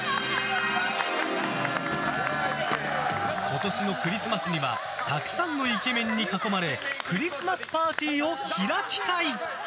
今年のクリスマスにはたくさんのイケメンに囲まれクリスマスパーティーを開きたい！